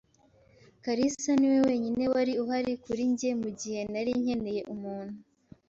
kalisa niwe wenyine wari uhari kuri njye mugihe nari nkeneye umuntu.